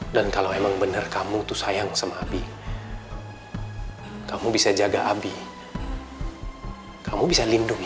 dan kalau emang bener kamu tuh sayang sama abi kamu bisa jaga abi kamu bisa lindungi